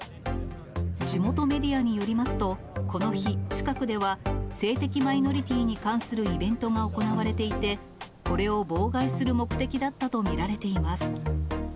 地元メディアによりますと、この日、近くでは性的マイノリティーに関するイベントが行われていて、これを妨害する目的だったと見られています。